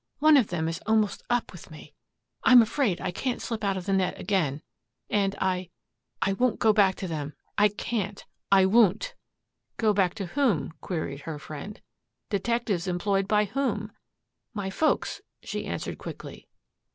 One of them is almost up with me. I'm afraid I can't slip out of the net again. And I I won't go back to them. I can't. I won't." "Go back to whom?" queried her friend. "Detectives employed by whom?" "My folks," she answered quickly.